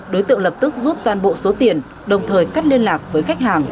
đối tượng lập tức rút toàn bộ số tiền đồng thời cắt liên lạc với khách hàng